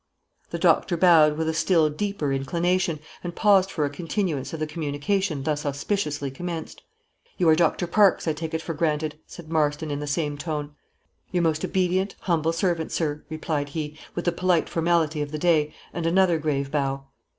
The doctor bowed with a still deeper inclination, and paused for a continuance of the communication thus auspiciously commenced. "You are Dr. Parkes, I take it for granted," said Marston, in the same tone. "Your most obedient, humble servant, sir," replied he, with the polite formality of the day, and another grave bow.